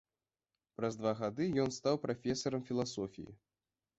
Праз два гады ён стаў прафесарам філасофіі.